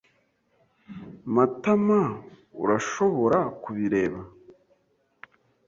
Matamaurashobora kubireba?